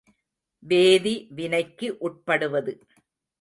வேதி வினைக்கு உட்படுவது.